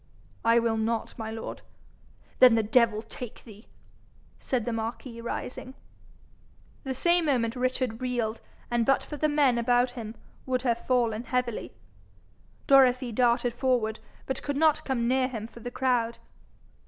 'I will not, my lord.' 'Then the devil take thee!' said the marquis, rising. The same moment Richard reeled, and but for the men about him, would have fallen heavily. Dorothy darted forward, but could not come near him for the crowd.